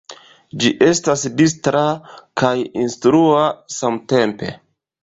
Ĝi estas distra kaj instrua samtempe.